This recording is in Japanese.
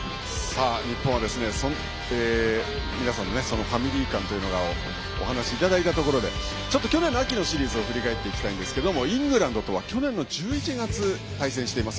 皆さんのファミリー感というお話しいただいたところで去年秋のシリーズを振り返っていきたいんですがイングランドとは去年の１１月対戦しています。